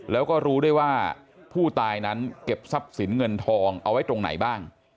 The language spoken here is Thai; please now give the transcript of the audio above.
แล้วก็รู้ได้ว่าผู้ตายนั้นเก็บทรัพย์สินเงินทองเอาไว้ตรงไหนบ้าง